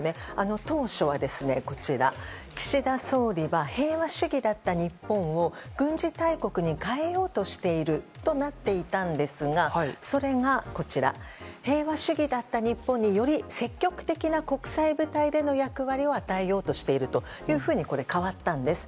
当初は、岸田総理は平和主義だった日本を軍事大国に変えようとしているとなっていたんですがそれが、平和主義だった日本により積極的な国際舞台での役割を与えようとしているというふうに変わったんです。